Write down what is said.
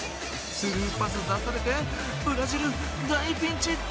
スルーパスを出されてブラジル大ピンチ。